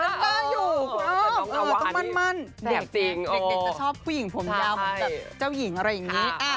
จะต้องแค่น้ำตาอยู่ครับต้องมั่นเด็กจะชอบผู้หญิงผมยาวเหมือนเจ้าหญิงอะไรอย่างนี้